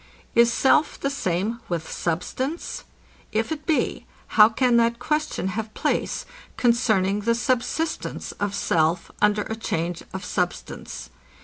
Is self the same with substance? If it be, how can that question have place, concerning the subsistence of self, under a change of substance?